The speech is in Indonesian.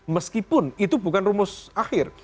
meskipun itu bukan rumus akhir